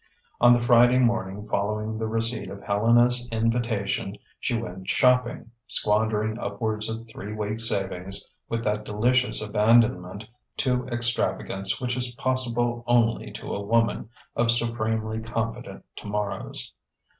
On the Friday morning following the receipt of Helena's invitation she went shopping, squandering upwards of three weeks' savings with that delicious abandonment to extravagance which is possible only to a woman of supremely confident tomorrows.